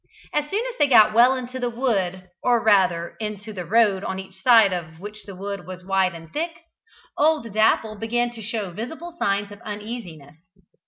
As soon as they got well into the wood, or rather, into the road on each side of which the wood was wide and thick, old Dapple began to show visible signs of uneasiness.